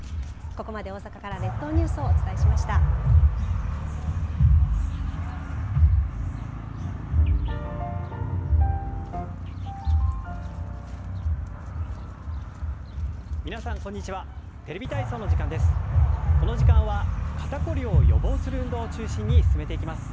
この時間は肩凝りを予防する運動を中心に進めていきます。